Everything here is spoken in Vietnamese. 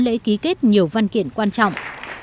lễ ký kết nhiều văn kiện quan trọng